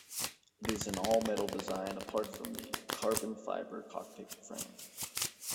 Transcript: It is an all-metal design apart from a carbon fibre cockpit frame.